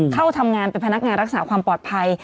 เข้าทำงานเป็นพนักงานรักษาความปลอดภัย